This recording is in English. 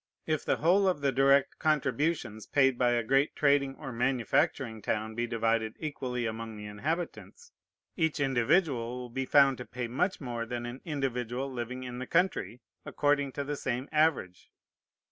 If the whole of the direct contributions paid by a great trading or manufacturing town be divided equally among the inhabitants, each individual will be found to pay much more than an individual living in the country according to the same average.